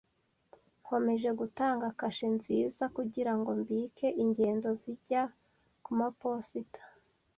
Nkomeje gutanga kashe nziza kugirango mbike ingendo zijya kumaposita.